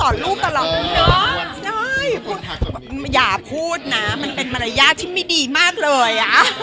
อย่าพูดนะมันเป็นมารยาทที่ไม่ดีมากเลยอ่ะ